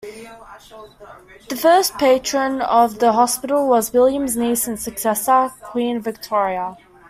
The first patron of the hospital was William's niece and successor, Queen Victoria.